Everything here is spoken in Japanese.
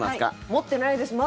持ってないです。